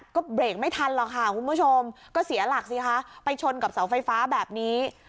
ก็เบรกไม่ทันหรอกค่ะคุณผู้ชมก็เสียหลักสิคะไปชนกับเสาไฟฟ้าแบบนี้